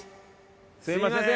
すみません。